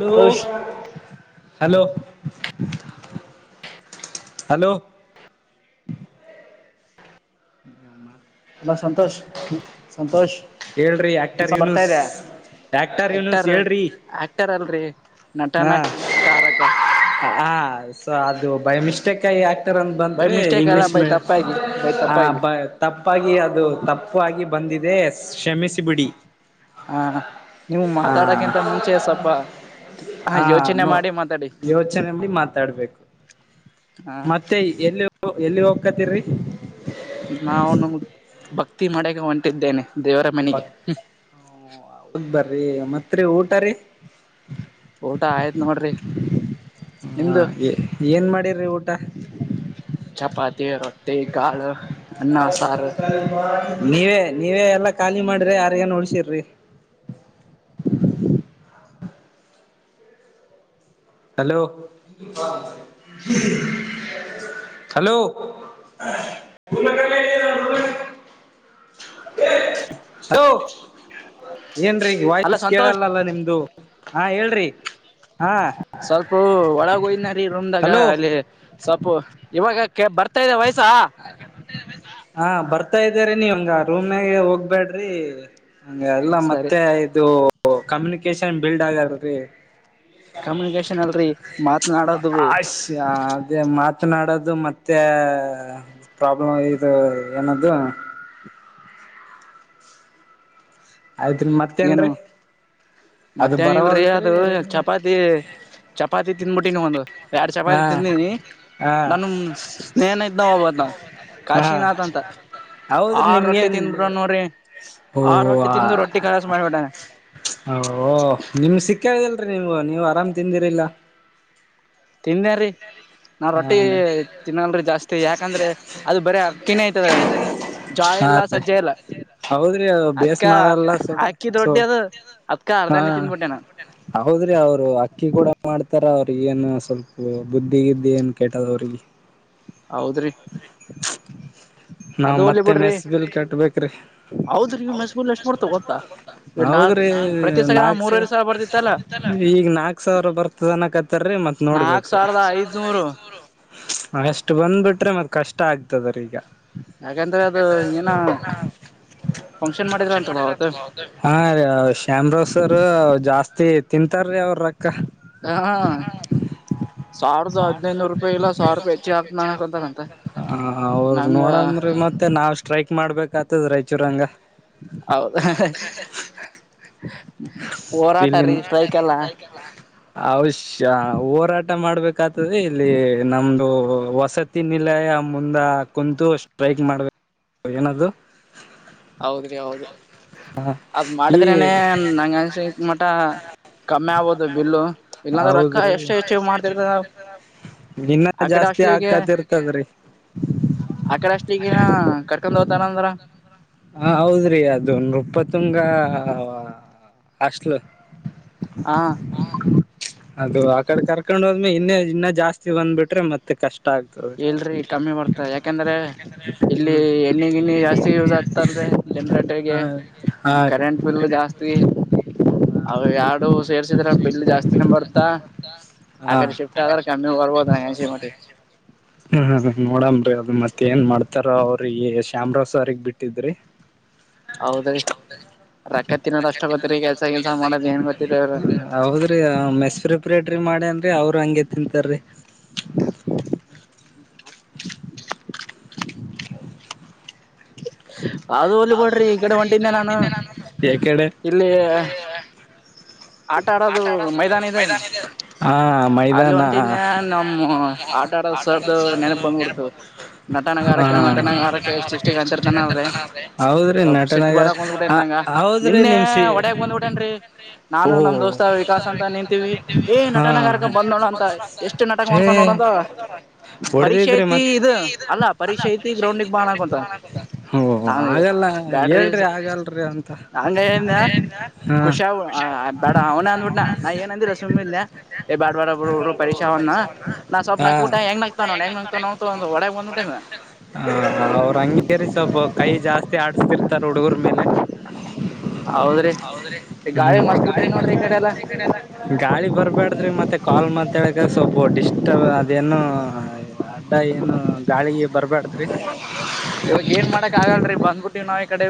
Hello. Santosh hello hello hello. Hello Santosh Santosh. ಹೇಳ್ರಿ actor ಕೆಲ್ಸ ಬರ್ತಾ ಯುನೂಸ್. ಇದೆ ಆಕ್ಟರ್ ಆಕ್ಟರ್ ಅಲ್ರರಿ ಹಾ ನಟನಕಾರಕ. ಹ ಸೊ ಅದು ಬೈಮಿಸ್ಟೇಕ್ ಆಗಿ. ಬಂತರೀ ಅಂತ ಬೈ ಬಂತ್ರಿ ಮಿಸ್ಟೇಕ್ ಅಲ್ಲ ಇಂಗ್ಲೀಷ್ ಬೈ ತಪ್ಪಾಗಿ ಬೈ ಹಾ. ತಪ್ಪಾಗಿ ತಪ್ಪಾಗಿ ಅದು ತಪ್ಪಾಗಿ ಬಂದಿದೆ ಕ್ಷಮಿಸಿಬಿಡಿ. ಹಾ ನೀವು ಮಾತಾಡಕಿಂತ ಹ ಮುಂಚೆ ಸ್ವಲ್ಪ. ಹ ಹ್ಮ್ ಯೋಚನೆ ನೋ ಮಾಡಿ ಮಾತಾಡಿ ಯೋಚನೆ ಮಾಡಿ ಮಾತಾಡ್ಬೇಕು ಹಾ. ಮತ್ತೆ ಎಲ್ಲಿ ಎಲ್ಲಿ ಹೋಗ್ಕತಿರರಿ. ನಾನು ಭಕ್ತಿ ಮಾಡೆಕೆ ಹೊಂಟಿದ್ದೇನೆ. ದೇವರ ಬ ಮನೆಗೆ ಬರೀ ಮತ್ತೆ ಊಟರೀ. ಊಟ ಆಯ್ತು ನೋಡ್ರಿ ನಿಮ್ದ. ಏನು ಮಾಡಿರಿ ಊಟ. ಚಪಾತಿ ರೊತ್ತಿ ಕಾಳು ಅನ್ನ ಸಾರು. [unintelligible] ನೀವೇ ನೀವೇ ಎಲ್ಲಾ ಖಾಲಿ ಮಾಡ್ರಿ ಯಾರಿಗೇನ್ ಉಳಿಸಿರ್ರಿ. ಹಲೋ. ಹಲೋ. ಹಲೋ ಏನ್ರೀ ಅಲ್ಲ ವಾಯ್ಸ್ ಸಂತೋಷ್ ಕೇಳಲ್ಲಲ್ಲ ನಿಮ್ದು. ಹಾ ಹೇಳ್ರಿ ಹಾ. ಸ್ವಲ್ಪ ಒಳಗ ಹೋಗಿರೀ ರೂಮ್ದಾಗ ಹಲೋ ಅಲ್ಲಿ. ಸೊಪ್ಪು ಇವಾಗ ಕಬರ್ತಾ ಇದೆ ವಾಯ್ಸ್. ಹಾ ಬರ್ತಾ ಇದ್ದಾರ ನೀವ ರೂಮನಾಗ ಹೋಗ್ಬ್ಯಾಡ್ರಿ. ಹಂಗೆ ಅಲ್ಲ ಸರಿ ಮತ್ತೆ ಇದು ಕಮ್ಯುನಿಕೇಶನ್ ಬಿಲ್ಡ್ ಆಗಾರರಿ. ಕಮ್ಯುನಿಕೇಶನ್ ಅಲ್ರಿ ಮಾತನಾಡೋದು [inaudible] ಅದೇ ಮಾತನಾಡೋದು ಮತ್ತೆ. ಪ್ರಾಬ್ಲಮ್ ಇದು ಏನದು. ಆಯ್ತ್ರಿ ಏನು ಮತ್ತೇನ್ರೀ ಅದು ಮತ್ತೇನ ಇಲ್ರಿ ಬರವಲ್ತ್ರಿ ಅದು ಚಪಾತಿ. [unintelligible] ಚಪಾತಿ ತಿನ್ಬಿಟ್ಟಿನೀ ಒಂದ್ ಆಡ್ ಹಾ ಚಪಾತಿ ತಿಂದೆನಿ ಹಾ ನಾನು ಸ್ನೇಹನ [unintelligible] ಹಾ ಕಾಶಿನಾಥ್ ಅಂತ ಹೌದ್ರಿ ಆರ್ ರೊಟ್ಟಿ ನಿಮ್ಗೇನ್ ತಿನ್ಬಿಡೊನ್ ನೋಡ್ರಿ ಓ ರೊಟ್ಟಿ ಆ ತಿಂದು ರೊಟ್ಟಿ ಕಲಾಸ್ ಮಾಡ್ಬಿಟ್ಟಾನೆ [inaudible] ಓ ನಿಮ್ ಸಿಕ್ಕಾವಲ್ರಿ ನಿಮ್ಗ ನೀವ್ ಆರಾಮ್ ತಿಂದಿರಿಲ್ಲಾ ತಿಂದೇರೀ ನಾ ರೊಟ್ಟಿ ಹ ತಿನ್ನಲ್ರೀ ಜಾಸ್ತಿ ಯಾಕಂದ್ರೆ ಅದ ಬರೇ [unintelligible] ಆಯ್ತದ ಜ್ವಾಳ್ ಹಾ ಇಲ್ಲ ಸಜ್ಜೆ ಇಲ್ಲಾ ಹೌದ್ರಿ ಅ ಬೇಸ್ ಮಾಡಲ್ಲ ಸೊ ಹಾಕಿದ್ ರೊಟ್ಟಿ ಅದು ಅದ್ಕ ಅರ್ಧಾನೇ [unintelligible] ತಿಂದ್ಬಿಟ್ಟೆ ನಾನ್ ಹೌದ್ರಿ ಅವರು ಅಕ್ಕಿ ಕೂಡ [unintelligible] ಮಾಡ್ತಾರ ಅವ್ರಗೆನ್ ಸ್ವಲ್ಪ ಬುದ್ಧಿ ಗಿದ್ದಿ ಏನ್ ಕೇಟ್ಟದ ಅವ್ರಿಗೆ ಹೌದ್ರೀ [inaudible] ನಾವ್ ಮತ್ತೆ ಮೆಸ್ ಬಿಲ್ ಕಟ್ಬೇಕ್ರಿ ಹೌದ್ರಿ ಮೆಸ್ಬೂಲ್ ಎಷ್ಟ್ ಬರ್ತಾವ ಗೊತ್ತಾ [unintelligible] ನಾಕ್ ಹೌದ್ರೀ ಪ್ರತಿ ಸಲ ನಾಕ್ ಮೂರವರೆ ಸಾವಿರ ಬರ್ತಿತ್ತಲ್ಲ [unintelligible] ಈಗ ನಾಕ್ ಸಾವಿರ ಬರ್ತ್ [unintelligible] ಅನ್ನಾಕತ್ತಾರಿ ಮತ್ತ್ ನೋಡ್ಬೇಕು ಸಾವಿರದ ನಾಕ್ ಸಾವಿರದಾ ಐದ್ನೂರು ಐದ್ನೂರ. ಅಷ್ಟ್ ಬಂದಬಿಟ್ರೆ ಮತ್ ಕಷ್ಟ ಆಗ್ತದ ರೀ ಈಗ ಯಾಕಂದ್ರೆ ಅದು ಏನ ಫಂಕ್ಷನ್ ಮಾಡಿದ್ರ ಅಂತಲ್ಲ ಅವತ್ತು [unintelligible] ಹಾ ರೀ ಶ್ಯಾನ್ಬೊಗ್ ಸರ್ ಜಾಸ್ತಿ ತಿಂತಾರೀ ಅವರ್ ರೊಕ್ಕ [unintelligible] ಹಾ ಸಾವಿರದ ಹದ್ನೈದ್ನೂರು ರೂಪಾಯಿ ಇಲ್ಲ ಸಾವಿರೂಪಾಯಿ ಚಾರ್ಜ [unintelligible] ಹಾ ಹೌದು ನಂಗ ನೋಡಮ್ ರೀ ಮತ್ತೆ ನಾವ್ ಸ್ಟ್ರೈಕ್ ಮಾಡ್ಬೇಕ ಆತದ ರಾಯಚೂರ್ ಹಂಗ ಹೌದ [unintelligible] ಹೋರಾಟ ರೀ ಸ್ಟ್ರೈಕ್ ಅಲ್ಲ [unintelligible] ಅವಶ್ಯ ಹೋರಾಟ ಮಾಡ್ಬೇಕಾಗ್ತದೆ ಇಲ್ಲೀ ನಮ್ದು ವಸತಿ ನಿಲಯ ಮುಂದ ಕುಂತು ಸ್ಟ್ರೈಕ್ ಮಾಡ್ಬೇಕ [unintelligible] ಏನದು ಹೌದ್ರಿ ಹೌದ್ ಹ ಅದ್ ಈ ಮಾಡಿದ್ರನೆ ನಂಗ ಅನ್ಸಿ ಮಟ ಕಮ್ಮಿ ಆಗ್ಬೋದು ಬಿಲ್ಲು ಇಲ್ಲಾಂದ್ರೆ ರೊಕ್ಕ ಹೌದ್ರೀ [unintelligible] ಎಷ್ಟು ಹೆಚ್ಚು ಮಾಡ್ತಿರ್ತ ನಿನ್ನ ಆ ಕಡೆ ಜಾಸ್ತಿ ಅಸ್ಲಿಗೆ ಆಕ್ಕಾತಿರ್ತದ ರೀ ಆಕಡೆ ಅಷ್ಟ ಈಗಿನ ಕರ್ಕೊಂಡ್ ಹೋಗ್ತಾರಂದ್ರ ಹ ಹೌದ್ರಿ ಅದು ನೃಪತುಂಗ ಹಾಷ್ಟಲು ಹಾ. ಅದು ಆಕಡೆ ಕರ್ಕೊಂಡ ಹೋದ್ಮೇ ಇನ್ನೇ ಇನ್ನಾ ಜಾಸ್ತಿ ಬಂದ್ಬಿಟ್ರೆ ಮತ್ತೆ ಕಷ್ಟ ಆಗ್ ಇ--ಲ್ರಿ ಕಮ್ಮಿ ಮಾಡ್ತಾರೆ ಯಾಕೆಂದರೆ ಇಲ್ಲಿ ಹ್ಮ್ ಎಣ್ಣಿ ಗಿಣ್ಣಿ ಜಾಸ್ತಿ ಯೂಸ್ ಆಗ್ತಂದ್ರೆ ಜನ್ರೇಟರ್ಗೆ ಹ ಹಾ ರೀ ಕರೆಂಟ್ ಬಿಲ್ ಜಾಸ್ತಿ ಅವ ಎಡು ಸೇರ್ಸಿದ್ರ ಬಿಲ್ ಜಾಸ್ತಿನ ಬರ್ತಾ ಹಾ ಆಕಡೆ ಶಿಫ್ಟ್ ಆದ್ರ ಕಮ್ಮಿ ಬರ್ಬೋದು ನನ್ಗಸಿದ್ ಮಟ್ಟಿಗೆ ಹ್ಮ ನೋಡಮ್ ರೀ ಅದ ಮತ್ತ್ ಏನ್ ಮಾಡ್ತಾರ ಅವ್ರಿಗೆ ಶ್ಯಾಮರಾವ್ ಸರ್ ಗೆ ಬಿಟ್ಟಿದ್ರಿ. ಹೌದ್ರೀ ರೊಕ್ಕ ತಿನ್ನೋದ್ ಅಷ್ಟ ಗೊತ್ತರಿ ಕೆಲ್ಸ ಗಿಲ್ಸಾ ಮಾಡೋದ್ ಏನ್ ಗೊತ್ತಿಲ್ಲ ಇವರಗ. ಹೌದ್ರಿ ಮೆಸ್ ರಿಪ್ರೆಟ್ರಿ ಮಾಡ್ಯಾನ್ರಿ ಅವರು ಅಂಗೆ ತಿಂತಾರಿ. [inaudible] ಅದು ಹೋಲಿಬಿಡ್ರಿ ಈ ಕಡೆ ಹೊಂಟಿದ್ನೆ ನಾನು ಯಕಡೆ ಇಲ್ಲೀ ಆಟ ಆಡೋದು ಮೈದಾನ ಇದೆ ಅಲ್ಲಾ ಹಾ. ಮೈದಾನ [unintelligible] ನಮ್ಮ ನಮ್ಮ ಆಟ ಆಡೋದು ಆಟಾ ಆಡೊ ಸರ್ದು ಸರ್ ನೆನಪು ದ ನೆನಪ ಬಂದ್ಬಿಡ್ತು ಆಗ್ಬಿಟ್ಟಿತು. ಹಾ ನಟನಗಾರಕ ನಟನಗಾರಕ ಎಷ್ಟ್ ಎಷ್ಟಿಗೆ ಅಂತಿರ್ತಾನಲ್ರಿ [unintelligible] ಹೌದ್ರಿ ಸ್ವಲ್ಪ ಸಿಟ್ಟು ನೆಟನಾಗ ಬರಕ್ ಬಂದ್ಬಿಟ್ಟೈತ್ ಹ ನಂಗ ಹೌದ್ರಿ ನಿನ್ನೆ ನಿಮ್ಸಿ. ಹೊಡ್ಯಾಕ್ [unintelligible] ಬಂದ್ಬಿಟ್ಟೇನ್ರಿ ನಾನು ಅವು [unintelligible] ನಮ್ ದೋಸ್ತ ವಿಕಾಸ್ ಅಂತ ನಿಂತೀವಿ ಏ ಹಾ ನಟನಗಾರಕ [unintelligible] ಬಂದ್ ನೋಡ ಅಂತ ಎಷ್ಟು ನಾಟಕ ಹೇ ಮಾಡ್ತಾವ ನೋಡಂತ ಪರೀಕ್ಷೆ ಹೊಡಿದಿದ್ರೆ ಐತಿ ಮತ್ತ ಇದು ಅಲ್ಲ ಪರೀಕ್ಷೆ ಐತಿ ಪರಿಕ್ಷೆ ಇದ್ದು ಗ್ರೌಂಡಿಗೆ ಬಾ ಗ್ರೌಂಡಿಗ್ ಅನ್ನಾಕುಂತ [unintelligible] ಹೊ ಹೊ ನಾನು ಆಗಲ ಬ್ಯಾಡ್ರಿ ಹೇಳ್ರಿ ಆಗಲ್ರಿ ಅಂತ ಹಾ. ಹಂಗ ಏನ ಅದೇ ಹೇಳ್ದೆ ಖುಷಿ [unintelligible] ಬೇಡ ಅವ್ನ ಅಂದ್ಬಿಟ್ನಾ ನಾ ಏನ ಅಂದಿಲ್ಲ ಸುಮ್ ಇದ್ನ ಹೇ ಬ್ಯಾಡ ಬ್ಯಾಡ ಬಿಡ್ರು ಕಳಿಸೇ ಅವ್ನ ನಾ ಸ್ವಲ್ಪ್ ಹಾ ನಕ್ಕ ಬುಟ್ಟೇ ಹ ಹೆಂಗ ನಗ್ತಾನ ನೋಡ್ ಹೆಂಗ ನಗ್ತಾ ನೋಡ [unintelligible] ಹೊಡಿಯಾಕ್ ಬಂದ ಬಿಟ್ಟಾನ ಹ ಅವ್ರ ಹಂಗೇರಿ ಸ್ವಲ್ಪ ಕೈ ಜಾಸ್ತಿ ಆಡಸ್ತಿರ್ತಾರ ಹುಡುಗರ್ ಮೇಲೆ. ಹೌದ್ರಿ ಈ ಗಾಳಿ ಹುಂ ಮಸ್ತ್ ಬಿಟ್ಟೈತ್ ನೋಡ್ರಿ ಈ ಕಡೆ ಎಲ್ಲಾ [unintelligible] ಗಾಳಿ ಬರಬಾಡ್ದರಿ ಮತ್ತೆ ಕಾಲ್ ಮಾತಾಡಕ ಸ್ವಲ್ಪ ಡಿಸ್ಟಬ್ ಅದೇನು ಅಡ್ಡ ಏನು ಗಾಳಿಗೆ ಬರಬಾರದು. [inaudible] ಇವಾಗ ಏನ್ ಮಾಡಕ ಕ ಆಗಲ್ರಿ ಬಂದ್ಬಿಟ್ಟಿ ನಾವ್ ಈ ಕಡೆ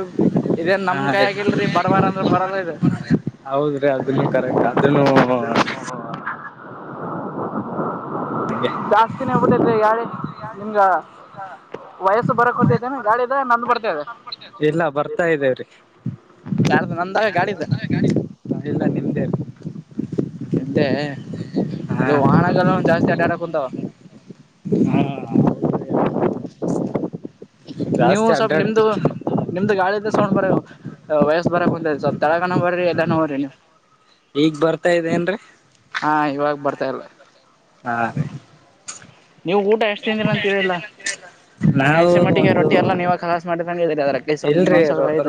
ಇದೇನ್ ನಮ್ ಹ ಕೈ ಆಗಿಲ್ರರಿ ಬರಬಾರ ಅಂದ್ರ ಬರೊದ ಇದು. ಹೌದ್ರಿ ಅದನ್ನು ಕರೆಕ್ಟ್ ಅದುನೂ ಹಂಗೆ ಜಾಸ್ತಿನೇ ಆಗಬಿಟೈತ್ರಿ ಯಾರ್ ರಿ ನಿಮ್ಗ ವೈಯ್ಸ್ ಬರಾಕತೇಧೇನು ಗಾಳಿದ ನಂದ ಬರ್ತಾ ಇದೀಯಾ. ಇಲ್ಲ ಬರ್ತಾ ಇದೇವ್ರಿ [unintelligible] ಯಾರದ ನಂದ ಗಾಡಿದ. ಇಲ್ಲ ನಿಮ್ದೇವ್ರಿ ಮುಂದೇ ಹಾ ಅದು ವಾಹನಗಳು ಜಾಸ್ತಿ ಅಡ್ಯಾಡ್ಯಕ ಕುಂತಾವ. ಹುಂ [inaudible] ನೀವು ಸ್ವಲ್ಪ ನಿಮ್ದು ನಿಮ್ದು ಗಾಳಿದ್ದ ಸೌಂಡ್ ಬರವು ವೈಸ್ ಬರಾಕುಂತದ ಸ್ವಲ್ಪ ತೆಳಗನ ಬರ್ರರಿ ಎಲ್ಲನ ಬರ್ರಿ ನೀವು. ಈಗ್ ಬರ್ತಾ ಇದೇ ಏನ್ರಿ. ಹಾ ಇವಾಗ ಬರ್ತಾ ಇಲ್ಲಾ. ಹಾ ನೀವು ಊಟ ಎಷ್ಟು ತಿಂದಿರ ಅಂತ ಹೇಳಿಲ್ಲಾ ನನ್ನಗ ನಾವು ಅನಸೊ ಮಟ್ಟಿಗೆ ಒಂದು ರೊಟ್ಟಿ ಎಲ್ಲಾ ನೀವ ಕಲಾಸ್ ಮಾಡಿದಂಗ್ ಇದೀರಾ. ಇಲ್ರರಿ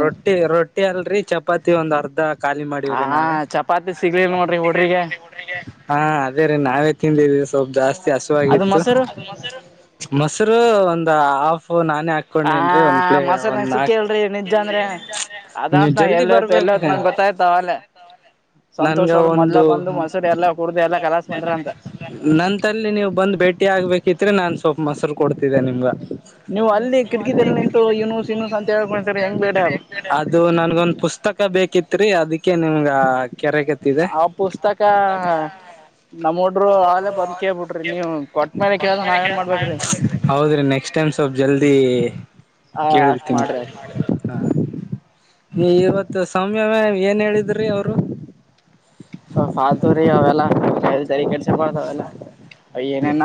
ರೊಟ್ಟಿ ರೊಟ್ಟಿ ಅಲ್ರರಿ ಚಪಾತಿ ಒಂದ್ ಅರ್ಧಾ ಖಾಲಿ ಹಾ ಮಾಡಿವ್ರಿ ನಾವೇ. ಚಪಾತಿ ಸಿಗ್ಲಿಲ್ ನೋಡ್ರಿ ಹುಡ್ರಿಗೆ [unintelligible] ಹಾ ಅದೇ ರೀ ನಾವೇ ತಿಂದೀವಿ ಸ್ವಲ್ಪ್ ಜಾಸ್ತಿ ಅದು ಹಸುವಾಗಿತ್ತು ಮೊಸರು [unintelligible] ಮೊಸರು ಒಂದ ಹಾಫ್ ನಾನೇ ಹಾಕೊಂಡನ್ರಿ ಒಂದ್ ಪ್ಲೇ ಒಂದ್ ಮಸಾಲೆನ ನಾಕ್ ಕೇಳ್ರಿ ನಿಜ ಅಂದ್ರೆ ನೀವ್ ಅದತ್ ನ ಜಲ್ದಿ ಎಲ್ಲತ್ ಬರ್ಬೇಕ ಎಲ್ಲೋತ್ ನಂಗೆ ಗೊತ್ತಾಯ್ತ ಆವಾಗ್ಲೇ. ನನ್ಗ ಸಂತೋಷ್ ಅವ್ರು ಮೊದಲೆ ಒಂದು ಬಂದು ಮಸರು ಎಲ್ಲಾ ಕುಡದು ಎಲ್ಲಾ ಕಲಾಸ್ ಮಾಡ್ರ ಅಂತ. ನಂತಲ್ಲಿ ನೀವ್ ಬಂದ್ ಭೇಟಿ ಆಗಬೇಕಿತ್ರೀ ನಾನ ಸ್ವಲ್ಪ್ ಮೊಸರು ಕೊಡ್ತಿದ್ದೆ ನಿಮ್ಗ. ನೀವು ಅಲ್ಲಿ ಕಿಟಕಿದಲ್ಲಿ ನಿಂತು ಇನ್ಸು ಇನ್ಸ್ ಅಂತ ಹೇಳಿ ಹೆಂಗ್ ಭೇಟಿಯಾಗಬೇಕ ಅದು ನನ್ಗೊಂದ ಪುಸ್ತಕ ಬೇಕಿತ್ರಿ ಅದಕ್ ಅದಕ್ಕೆ ನಿಮ್ಗ ಕರೆ ಕತ್ತಿದೆ. [unintelligible] ಆ ಪುಸ್ತಕ ನಮ್ಮ್ ಹುಡ್ರು ಆಲೆ ಬಂದ್ ಕೇಳ್ಬಿಟ್ರಿ ನೀವ್ ಕೊಟ್ಟ್ಮೇಲೆ ಕೇಳ್ದ ನಾವೇನ್ ಮಾಡ್ಬೇಕ್ರಿ [unintelligible] ಹೌದ್ರಿ ನೆಕ್ಸ್ಟ್ ಟೈಮ್ಸ್ ಸ್ವಲ್ಪ್ ಜಲ್ದಿ ಆ ಅಷ್ಟ್ ಕೇಳತೀನಿ. ಮಾಡ್ರಿ ಅಷ್ಟ್ ಹ ನೀ ಇವತ್ತು ಸೌಮ್ಯಾ ಮ್ಯಾಮ ಏನ್ ಹೇಳಿದ್ರಿ ಅವರು. ಫಾಲ್ತು ರೀ ಅವೆಲ್ಲ ಕೇಳಿ ತಲೆ ಕೆಡಿಸ್ಕೋ ಬಾರದ ಅವೆಲ್ಲ. ಏನೇನ್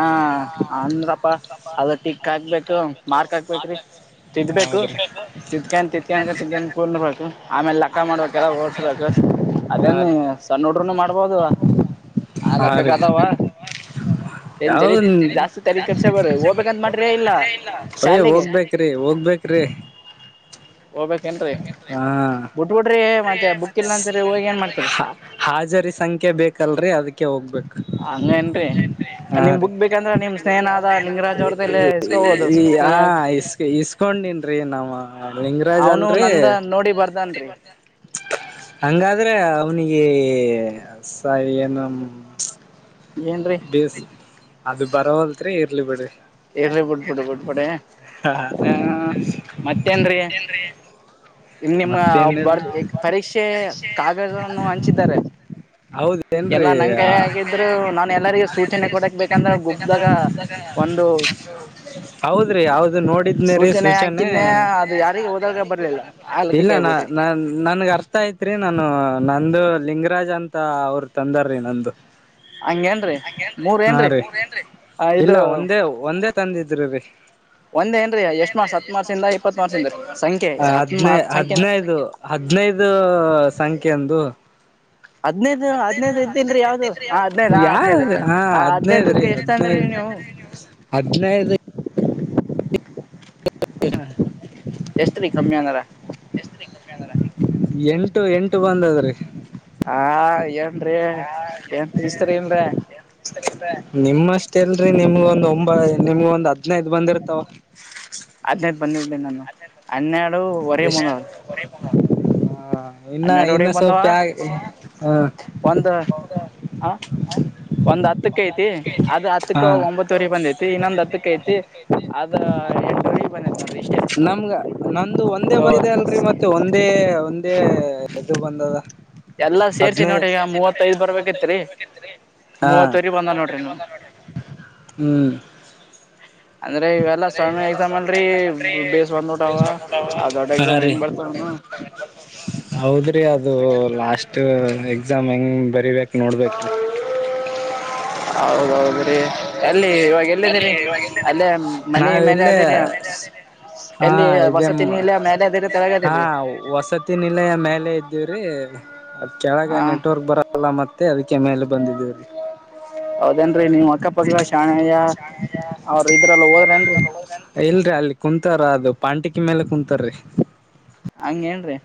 ಅಂದ್ರಪ್ಪಾ ಅದ ಟಿಕ್ ಹಾಕ್ಬೇಕು ಮಾರ್ಕ್ ಹಾಕ್ಬೇಕ್ರಿ. ತಿದ್ದಬೇಕು ಹೌದ್ರಿ ತಿಧಕ್ಯೆನ್ ತಿಧಕ್ಯೆನ್ ತಿದ್ದು ಕು ಆಮೇಲೆ ಲೆಕ್ಕ ಮಾಡ್ಬೇಕೆಲ್ಲ ಓದಸಬೇಕು. ಹಾ ಅದೇನ್ ರೀ ಸಣ್ಣ ಹುಡರುನು ಮಾಡ್ಬೋದು ಆ ಹಾ ಲೆಕ್ಕಾ ರೀ ಕೇಳತಾವ ಏನ್ ಜರ ಯಾವ್ದ ಜಾಸ್ತಿ ತಲೆ ಕೆಡಿಸ್ಕೊ ಬ್ಯಾಡ್ರಿ ಹೋಗ್ಬೇಕಂತ ಮಾಡ್ರಿ ಇಲ್ಲೋ ಶಾಲೆಗೆ ರಿ ಹೋಗ ಬೇಕರೀ ಹೋಗ್ಬೇಕೇನ್ರರಿ ಹಾ ಬಿಟ್ಬಿಡ್ರಿ ಮತ್ತೆ ಬುಕ್ ಇಲ್ಲ ಅಂತರಿ ಹೋಗಿ ಏನ್ ಮಾಡ್ತರಿ. ಹಾ ಹಾಜರಿ ಸಂಖ್ಯೆ ಬೇಕಲ್ರರಿ ಅದಕ್ಕೆ ಹೋಗ್ಬೇಕು. ಹಂಗೇನ್ರಿ. ನಿಮ್ ಹಾರೀ ಬುಕ್ ಬೇಕಂದ್ರ ನಿಮ್ ಸ್ನೇಹನಾದ ಲಿಂಗರಾಜ್ ಅವ್ರದಲ್ಲೇ ಇಸ್ಕೋಬಹುದು ಈ ಸ್ನೇಹ ಹಸ್ ಈಸ್. ಇತ್ಕೊಂಡನ್ರೀ ನಮ್ಮ್ ಲಿಂಗರಾಜ್ ಅವನು ಅಲ್ರರಿ. ನಂದ ನೋಡಿ ಬರ್ದನ್ರಿ ಹಂಗಾದ್ರೆ ಅವನಿ ಏನು. ಏನ್ರೀ ಬೇಸ ಅದು ಬರವಲ್ತ್ ಇರ್ಲಿ ಬಿಡ್ರಿ. ಇರ್ಲಿ ಬಿಟ್ಟುಬಿಡು ಬಿಟ್ಟುಬಿಡು ಹ ಹ ಮತ್ತೇನ್ರೀ. ನಿಮ್ ಮತ್ತೇನಲ್ ಒಬರ್ ಪರೀಕ್ಷೆ ಕಾಗದವನ್ನು ಹಂಚಿದ್ದಾರೆ. ಎಲ್ಲಾ ಹೌದೇನ್ರಿ ನನ್ ಕೈ ಆಗಿದ್ರು ನಾನು ಎಲ್ಲರಿಗ ಸೂಚನೆ ಕೊಡಕ್ ಬೇಕಂದ್ರೆ ಗುಪ್ದಾಗ. ಒಂದು. ಹೌದ್ರಿ ಯಾವದು ನೋಡಿದ್ನೇ ರೀ ಸೂಚನೆ. ಅದು ಯಾರಿಗೆ ಹೋದಾಗ ಬರ್ಲಿಲ್ಲ. ಆಲಕ್ಕೆ ಇಲ್ಲ ನಾ ಕೈಬಿಟ್ರಿ ನ ನನ್ಗ ಅರ್. ಆತ ಐತ್ರಿ ನಾನು ನಂದು ಲಿಂಗರಾಜ್ ಅಂತ ಅವ್ರ ತಂದಾರೀ ನಂದು. ಹಂಗೇನ್ರೀ ಮೂರ್ ಹಾ ಏನ್ರೀ ರೀ ಆ ಇಲ್ಲ ಇದು ಒಂದೇ ಒಂದೇ ತಂದಿದ್ರಿ ರೀ. ಒಂದ್ ಏನ್ರೀ ಎಷ್ಟ್ ಮಾರ್ಕ್ಸ್ ಹತ್ ಮಾರ್ಕ್ಸಿಂದ ಇಪ್ಪತ್ ಮಾರ್ಕ್ಸಿಂದ ರೀ ಸಂಖ್ಯೆ ಹತ್ ಅದ್ನೇ ಹತ್ ಸಂಖ್ಯೆ ಅದ್ನೇ. ಹದು ಹದಿನೈದು ಸಂಖ್ಯೆಂದು. ಹದ್ನೈದು ಹದ್ನೈದು ಇದ್ದಿಲ್ರಿ ಯಾವ್ದು ಹಾ ಹದ್ನೈದ ಹಾ ಯ ಹದ್ನೈದು ಹಾ ಆ ಹದಿನೈದು ಹದ್ನೈದಕ್ಕೆ ಎಷ್ಟ ಅಂದ್ರಿ ನೀವು ಹದಿನೈದು. ಹದಿನೈದು. [inaudible] ಎಷ್ಟರೀ ಕಮ್ಮಿ ಅಂದಾರ. ಎಂಟು ಎಂಟು ಬಂದದ್ರೀ. ಹ ಏನ್ರೀ ಏನ್ ಇ್ತ್ರಏನ್ರರಿ. ನಿಮಷ್ಟೇ ಎಲ್ರಿ ನಿಮ್ಗ ಒಂದ ಒಂಬ ನಿಮ್ಗ ಒಂದ್ ಹದಿನೈದು ಬಂದಿರ್ತಾವ. ಹದಿನೈದು ಬಂದಿದ್ದ ನಾನು ಹನ್ನೆರಡುವರೆ ಎಷ್ಟ ಬಂದದ್ದೇ. ಹ ಇನ್ನ ಹನ್ನೆರಡುವರೆ ಇನ್ನು ಸ್ವಲ್ಪ [unintelligible] ಒಂದು ಹ ಒಂದು ಹತ್ತಕ್ಕೆ ಐತಿ ಅದ ಹತ್ತಕ್ಕ ಹಾ ಒಂಬತ್ತು. ತೊರಿ ಬಂದೈತಿ ಇನ್ನೊ ಹತ್ತಕ್ಕ ಐತಿ ಅದ ಎಂಟುವರೇ ತೊರಿ ಬಂದೈತೆ ನೋಡಿ ಇಷ್ಟೇ. ನಮ್ಗ ನಂದು ಒಂದೇ ಬರಿದೆ ಅಲ್ರರಿ ಮತ್ತೆ ಒಂದೇ. ಒಂದೇ ಇದು ಬಂದದ್ದ. ಎಲ್ಲಾ ಸೇರ್ಸಿ ನೋಡ್ರಿ ಈಗ ಮೂವತ್ತೈಐದ್ ಬರ್ಬೇಕಿತ್ರಿ ಹಾ ಮೂವತ್ತವರಿಗೆ ಬಂದ ನೋಡ್ರಿನೀ. ಹ್ಮ್ ಅಂದ್ರೆ ಇವೆಲ್ಲಾ ಸಣ್ಣ ಎಕ್ಸಾಮ್ ಅಲ್ರಿ ಬೇಸ್ ಬಂದ್ಬಿಟ್ಟಾವ ಆ ದೊಡ್ಡ ಎಕ್ಸಾಮ್ ಹಾರೀ. ಹೆಂಗ್ [inaudible] ಬರ್ತಾವನು ಹೌದ್ರಿ ಅದು ಲಾಸ್ಟ್ ಎಕ್ಸಾಮ್ ಹೆಂಗ್ ಬರಿಬೇಕಕ್ ನೋಡ್ಬೇಕ್ರಿ. ಹೌದುದು. ಅಲ್ಲೇ ಮನಿ ನಾವ ಮೇಲೆ ಇಲ್ಲೇ. ಅದಿರಿ ಹಾ ಎಲ್ಲಿ ಇದೆ ವಸತಿನ ಇಲ್ಲ ಮೇಲೆ ಅದಿರಿ ಹಾ ತೆಳಗದಿರಿ ಹೊಸದು. ನಿಲಯ ಮೇಲೆ ಇದ್ದೀವ್ರೀ ಅದ್ ಹ ಕೆಳಗ ನೆಟ್ವರ್ಕ್ ಬರ. ಅಲ್ಲ ಮತ್ತೆ ಅದಕ್ಕೆ ಮೇಲೆ ಬಂದಿದ್ದೇವ್ರೀ. ಹೌದೇನ್ರಿ ನೀವ್. ಅಕ್ಕಪಕ್ಕ ಶಾಣೆಯ ಅವ್ರ ಇದ್ರಲ್ಲ ಹೋದ್ರೇನ್ರಿ [inaudible] ಇಲ್ರರಿ ಅಲ್ಲಿ ಕುೂಂತಾರ ಅದು ಪಾಂಟಿಕಿ ಮೇಲೆ ಕುೂಂತಾರೀ. ಹಂಗೇನ್ರೀ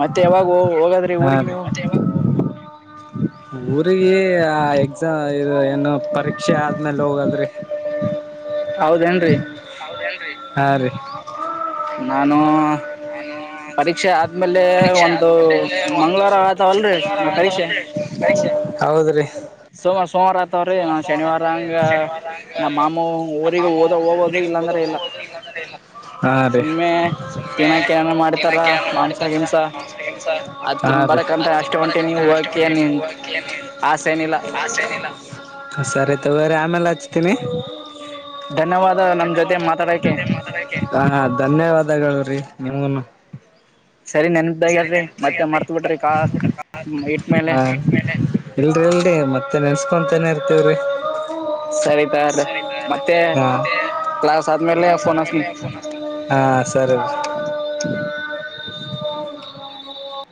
ಮತ್ತೆ ಯಾವಾಗ ಹೋಗದ್ರಿ ಹಾ ಊರಿಗೆ ರೀ ನೀವು. ಊರಿಗೆ, ಎಕ್ಸಾಮು, ಆ, ಇದು! [inaudible] ಇನ್ನು, ಪರೀಕ್ಷೆ ಆದ್ಮೇಲೆ ಹೋಗದ್ರಿ? [unintelligible] ಹೌದೇನ್ರಿ? [unintelligible] ಹೌದೇನ್ರಿ, ಹಾ, ರೀ! [unintelligible] ನಾನು, ಪರೀಕ್ಷೆ ಆದ್ಮೇಲೆ, ಒಂದು. [unintelligible] ಇದು, ಮಂಗಳವಾರ ಆತಲ್ಲ್ರೀ, ಪರೀಕ್ಷೆ? [unintelligible] ಪರೀಕ್ಷೆ, ಹೌದ್ರಿ! [unintelligible] ಸೋಮವಾರ ಸೋಮವಾರ ಆತವ್ರೀ ನಾ ಸೋಮಾರ, ಶನಿವಾರ ಹಂಗ ಸೋಮಾರ ಶನಿವಾರಂಗ ನಮ್ಮ ಮಾಮು ನಮ್ಮ ಊರಿಗೆ ಮಾಮು, ಹೋದ ಹೋಗೋದು ಊರಿಗೆ ಹೋಗ್ಬೋದು? ಇಲ್ಲಾಂದ್ರೆ ಇಲ್ಲ [unintelligible] ಊರಿಗೆ, ಹೋಗದೆ ಇನ್ನು, ಹಾ, ರೀ ಸುಮ್ಮನೆ ಸುಮ್ಮನೆ, ತಿನ್ನಕ ಏನ ಮಾಡ್ತಾರ ದಿನಕ್ಕೆ.. ಮಾಂಸ ಗಿಂಸ [unintelligible] ಫ್ರೆಂಡ್ಸ, ಅದ್ ಹಾ, ತಿನ್ ರೀ, ಬರಕಂತ ಅಷ್ಟು, ಅಷ್ಟೇ ಹೊಂಟೆ ನೀವು ಧೀನಕ್ಕಾ, ಅಷ್ಟೇ ಹೋಗಕ ಏನ್ ಒಂಟಿವಿ. ಆಸೆ ಏನಿಲ್ಲ [unintelligible] ನಾನ್, ಸರಿ, ಇಲ್ಲಾ, ತಗೋರಿ, ಆಮೆಲೆ, ಹಚ್ತೀನಿ! [inaudible] ಧನ್ಯವಾದ, ನಮ್ಮ ಜೊತೆ ಮಾತಾಡಕ್ಕೆ. [unintelligible] ಹ, ಹಾ, ಧನ್ಯವಾದಗಳು, ರೀ, ನಿಮಗೂನು. [inaudible] ಸರಿ, ನೆನ್ದಗಲ್ರಿ, ಮತ್ತೆ, ಮಾರುತು, ಬಿಟ್ರಿ ಕಾ. [inaudible] ಇಟ್ಟ್ಮೇಲೆ ಹಾ, ಇಲ್ರಿ, ಇಲ್ರಿ, ಮತ್ತೆ, ನೆನ್ಸ್ಕೊಂತಾನೇ, ಇರ್ತಿವ್ರಿ. [inaudible] ಸರಿತಾರ ಸರಿ, ಬ್ರೋ, ಅಯ್ತು, ಮತ್ತೆ ಹಾ, ಮತೆ, ಕ್ಲಾಸ್ ಆದ್ಮೇಲೆ ಕ್ಲಾಸ್ ಫೋನ್ ಹಚ್ತೀನಿ ಆದ್ಮೇಲೆ. [inaudible] ಹಾ, ಸರಿ, ರಿ. [inaudible] [inaudible] [unintelligible]